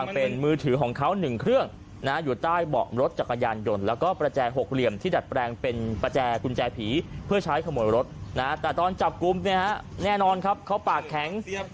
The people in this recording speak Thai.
เป็นประแจคุนแจผีเพื่อใช้ขโมนรถแต่ตอนจับรุ่นนี้นะครับแน่นอนครับเขาปากแข็ง